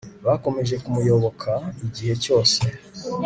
bakomeje kumuyoboka igihe cyose